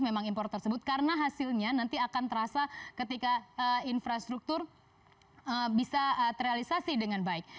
memang impor tersebut karena hasilnya nanti akan terasa ketika infrastruktur bisa terrealisasi dengan baik